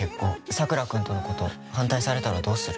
佐倉君とのこと反対されたらどうする？